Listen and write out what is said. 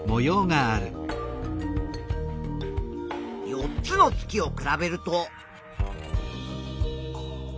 ４つの月を比べると。